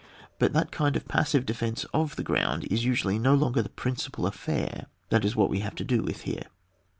But that kind of passive defence of the ground is usually no longer the principal affair: that is what we have to do with here.